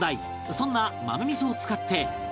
そんな豆味を使って